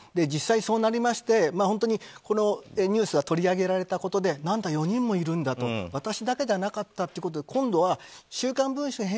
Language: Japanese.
実際、そうなりましてこのニュースを取り上げられたことで何だ４人もいるんだということで私だけじゃなかったということで今度は「週刊文春」